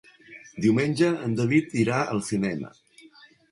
Diumenge en David irà al cinema.